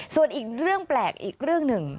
ส่วนอีกเรื่องแปลกอีกเรื่องหนึ่ง